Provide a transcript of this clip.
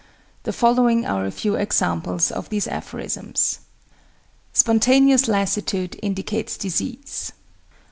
The following are a few examples of these aphorisms: "Spontaneous lassitude indicates disease."